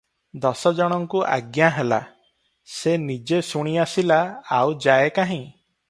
ଦଶଜଣଙ୍କୁ ଆଜ୍ଞା ହେଲା, ସେ ନିଜେ ଶୁଣି ଆସିଲା, ଆଉ ଯାଏ କାହିଁ?